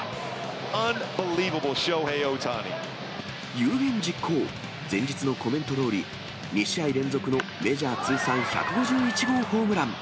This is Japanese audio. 有言実行、前日のコメントどおり、２試合連続のメジャー通算１５１号ホームラン。